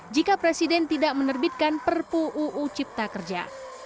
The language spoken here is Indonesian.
jika presiden tidak menerbitkan perpu uu cipta kerja